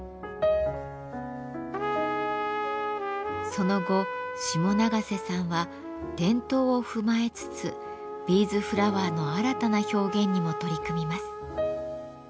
その後下永瀬さんは伝統を踏まえつつビーズフラワーの新たな表現にも取り組みます。